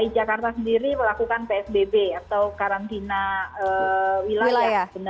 dki jakarta sendiri melakukan psbb atau karantina wilayah